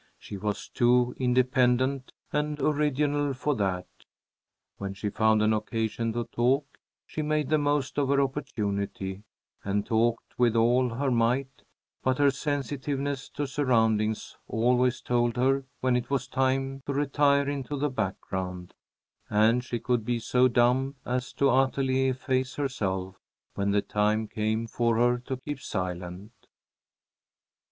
She was too independent and original for that. When she found an occasion to talk, she made the most of her opportunity, and talked with all her might, but her sensitiveness to surroundings always told her when it was time to retire into the background, and she could be so dumb as to utterly efface herself when the time came for her to keep silent.